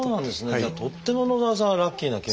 じゃあとっても野澤さんはラッキーなケースだった。